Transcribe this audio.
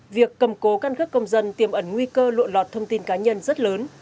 việc cầm cố căn cước công dân tiềm ẩn nguy cơ lộn lọt thông tin cá nhân rất lớn